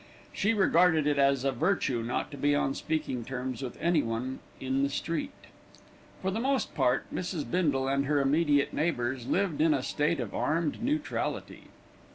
She regarded it as a virtue not to be on speaking terms with anyone in the street. For the most part, Mrs. Bindle and her immediate neighbours lived in a state of armed neutrality.